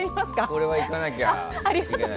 これは、いかなきゃ。